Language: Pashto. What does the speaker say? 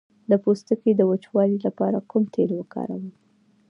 د پوستکي د وچوالي لپاره کوم تېل وکاروم؟